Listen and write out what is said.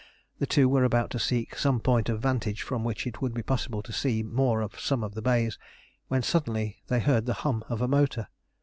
the two were about to seek some point of vantage from which it would be possible to see more of some of the bays, when suddenly they heard the hum of a motor.